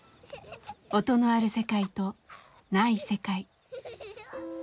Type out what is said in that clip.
音のある世界とない世界。